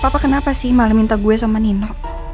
papa kenapa sih malah minta gue sama nino